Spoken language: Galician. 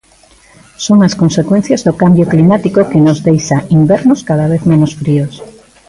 Son as consecuencias do cambio climático que nos deixa invernos cada vez menos fríos.